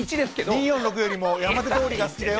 「２４６よりも山手通りが好きだよ」。